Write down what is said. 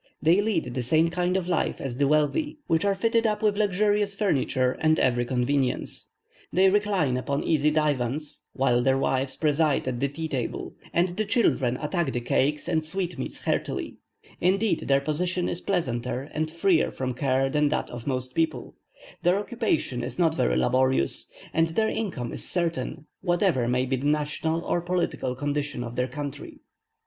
They lead the same kind of life as the wealthy: they have handsome dwellings, which are fitted up with luxurious furniture, and every convenience. They recline upon easy divans, while their wives preside at the tea table, and the children attack the cakes and sweetmeats heartily; indeed their position is pleasanter and freer from care than that of most people; their occupation is not very laborious, and their income is certain, whatever may be the national or political condition of their country.